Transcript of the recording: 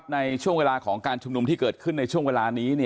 ในช่วงเวลาของการชุมนุมที่เกิดขึ้นในช่วงเวลานี้